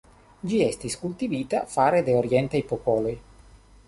Ĝi estis kultivita fare de orientaj popoloj.